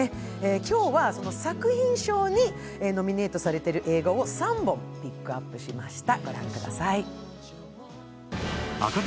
今日は作品賞にノミネートされている映画を３本ピックアップしました。